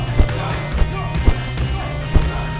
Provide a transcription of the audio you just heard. kepo lo yan